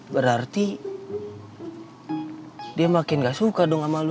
berarti dia makin gak suka dong sama lu